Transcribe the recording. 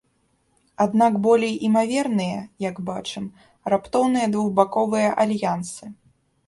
Аднак болей імаверныя, як бачым, раптоўныя двухбаковыя альянсы.